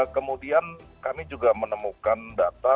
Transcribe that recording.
kemudian kami juga menemukan data